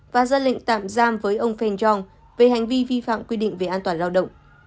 và ra lệnh tạm giam với ông feng yong về hành vi vi phạm quy định về an toàn lao động